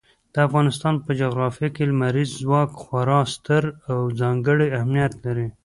د افغانستان په جغرافیه کې لمریز ځواک خورا ستر او ځانګړی اهمیت لري.